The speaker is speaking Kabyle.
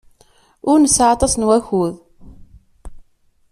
Ur nesɛi aṭas n wakud.